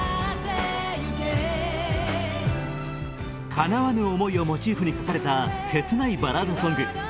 かなわぬ思いをモチーフに書かれた切ないバラードソング。